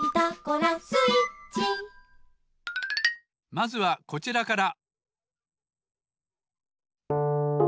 まずはこちらから。